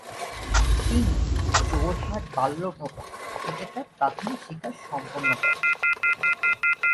তিনি "যোরহাট বাল্য ভবন" থেকে তার প্রাথমিক শিক্ষা সম্পন্ন করেন।